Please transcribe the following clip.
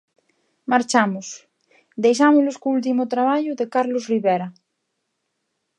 Marchamos, deixámolos co último traballo de Carlos Rivera.